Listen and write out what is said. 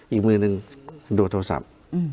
อีกมือนึงดูดโทรศัพท์